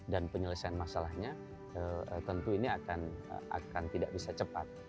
dan penyelesaian masalahnya tentu ini akan tidak bisa cepat